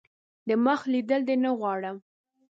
دمخ لیدل دي نه غواړم .